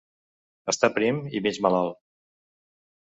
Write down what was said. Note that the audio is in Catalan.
Està prim i mig malalt.